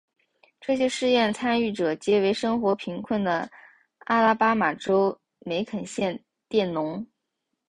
这些实验参与者皆为生活贫困的阿拉巴马州梅肯县佃农。